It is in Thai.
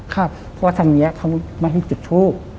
เพราะว่าทางนี้เขาไม่ให้จุดทูบ